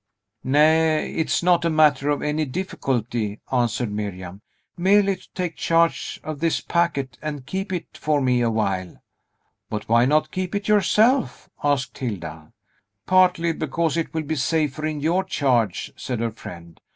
"Nay, it is not a matter of any difficulty," answered Miriam; "merely to take charge of this packet, and keep it for me awhile." "But why not keep it yourself?" asked Hilda. "Partly because it will be safer in your charge," said her friend.